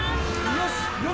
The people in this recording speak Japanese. よし！